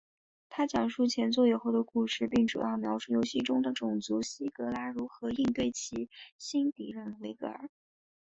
它讲述前作以后的故事并主要描述游戏中的种族希格拉如何应对其新敌人维格尔。